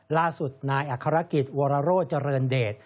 ล่าสุดนายอัครกิจวรโรเจริญเดช